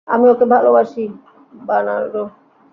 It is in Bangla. আমি ওকে ভালোবাসি, বার্নার্ডো।